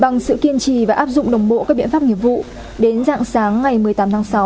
bằng sự kiên trì và áp dụng đồng bộ các biện pháp nghiệp vụ đến dạng sáng ngày một mươi tám tháng sáu